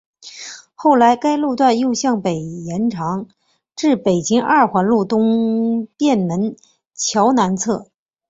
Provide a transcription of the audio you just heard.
后来该路又向北延长至北京二环路东便门桥南侧。